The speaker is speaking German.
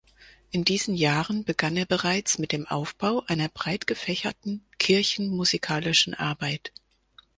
In diesen Jahren begann er bereits mit dem Aufbau einer breitgefächerten kirchenmusikalischen Arbeit.